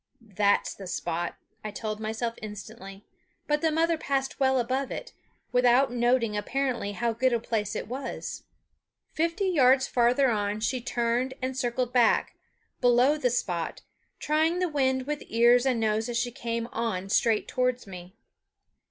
"That's the spot," I told myself instantly; but the mother passed well above it, without noting apparently how good a place it was. Fifty yards farther on she turned and circled back, below the spot, trying the wind with ears and nose as she came on straight towards me.